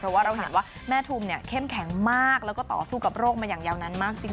เพราะว่าเราเห็นว่าแม่ทุมเนี่ยเข้มแข็งมากแล้วก็ต่อสู้กับโรคมาอย่างยาวนานมากจริง